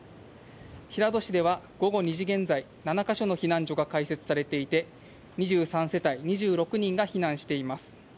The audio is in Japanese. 平戸市では午後２時現在、７か所の避難所が開設されていて、２３世帯２６人が避難しています。